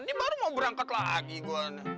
ini baru mau berangkat lagi